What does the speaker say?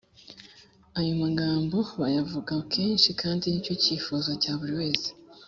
ayo Magambo bayavuga kenshi kandi ni cyo cyifuzo cya buri wese.